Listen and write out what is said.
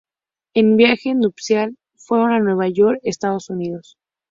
En viaje nupcial fueron a Nueva York, Estados Unidos.